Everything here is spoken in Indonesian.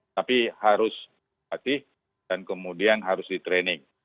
tapi harus dilatih dan kemudian harus di training